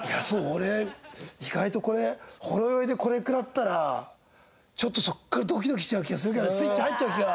俺意外とこれほろ酔いでこれ食らったらちょっとそこからドキドキしちゃう気がするスイッチ入っちゃう気が。